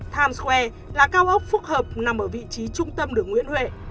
times square là cao ốc phúc hợp nằm ở vị trí trung tâm đường nguyễn huệ